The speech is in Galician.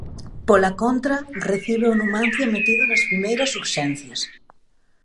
Pola contra, recibe o Numancia metido nas primeiras urxencias.